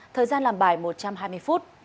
thời gian làm bài một trăm hai mươi phút